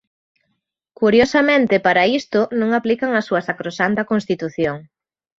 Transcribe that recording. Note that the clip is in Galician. Curiosamente para isto non aplican a súa sacrosanta Constitución.